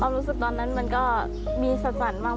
ความรู้สึกตอนนั้นมันก็มีสัดสั่นบ้าง